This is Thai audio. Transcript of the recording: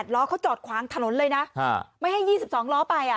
ล้อเขาจอดขวางถนนเลยนะไม่ให้๒๒ล้อไป